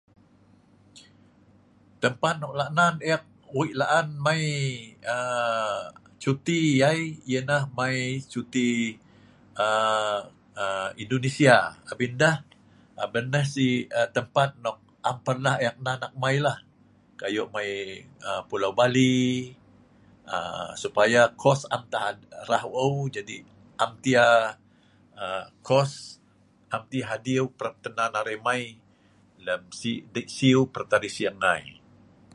Tempat nok lah nan ek wei' laan mai aa cuti ai yanah mai cuti aa aa Indonesia. Abin endeh abin neh si tempat nok am pernah ek nan ek mailah. Ko' ayo mai pulau Bali, aa supaya kos am tah rah eu' jadi am tah yah kos, am tah adiu, prah tah nan arai mai, lem si dei' siu' prap tah arai sing ngai.